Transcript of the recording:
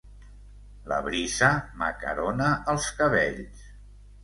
La brisa m'acarona els cabells.